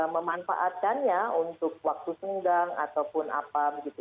memanfaatkannya untuk waktu sunggang ataupun apa begitu